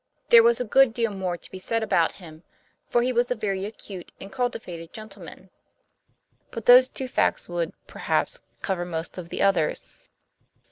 There was a good deal more to be said about him, for he was a very acute and cultivated gentleman; but those two facts would, perhaps, cover most of the others.